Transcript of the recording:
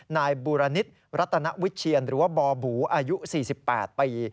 นายบูรณิตรัตนวิเชียนหรือว่าบูอายุ๔๘ปี